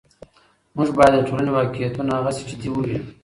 موږ باید د ټولنې واقعیتونه هغسې چې دي ووینو.